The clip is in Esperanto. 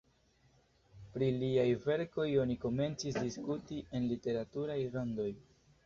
Pri liaj verkoj oni komencis diskuti en literaturaj rondoj.